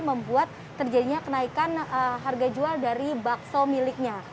membuat terjadinya kenaikan harga jual dari bakso miliknya